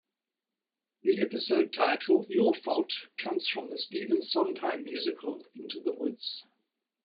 The episode title "Your Fault" comes from the Stephen Sondheim musical, "Into the Woods".